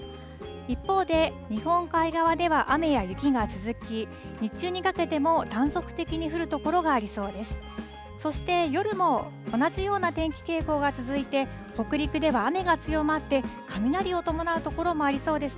一方で、日本海側では雨や雪が続き、日中にかけても断続的に降る所がありそうです。